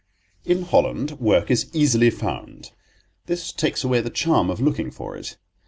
In Holland work is easily found; this takes away the charm of looking for it.